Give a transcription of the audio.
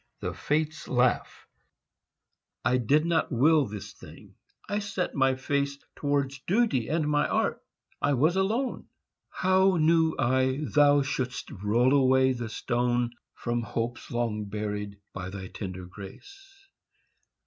THE FATES LAUGH I did not will this thing. I set my face Towards duty and my art; I was alone. How knew I thou shouldst roll away the stone From hopes long buried, by thy tender grace?